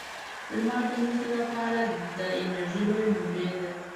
لمر د ځمکې لپاره د انرژۍ لویه منبع ده.